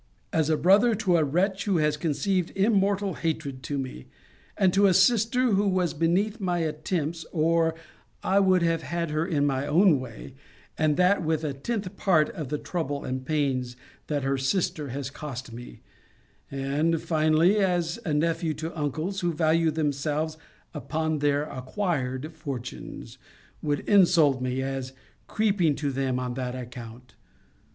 As a brother to a wretch, who has conceived immortal hatred to me; and to a sister who was beneath my attempts, or I would have had her in my own way, and that with a tenth part of the trouble and pains that her sister has cost me; and, finally, as a nephew to uncles, who value themselves upon their acquired fortunes, would insult me as creeping to them on that account?